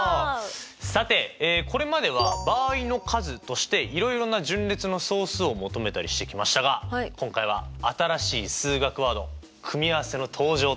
さてこれまでは場合の数としていろいろな順列の総数を求めたりしてきましたが今回は新しい数学ワード組合せの登場ってわけですね。